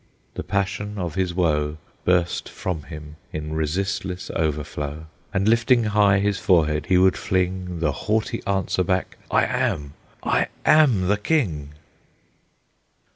the passion of his woe Burst from him in resistless overflow, And, lifting high his forehead, he would fling The haughty answer back, "I am, I am the King!"